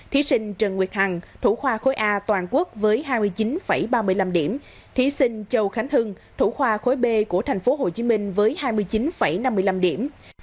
thí sinh trần nguyệt hằng thủ khoa khối a toàn quốc với hai mươi chín ba mươi năm điểm thí sinh châu khánh hưng thủ khoa khối b của thành phố hồ chí minh với hai mươi chín năm mươi năm điểm